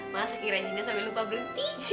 malah sakit rajinnya sambil lupa berhenti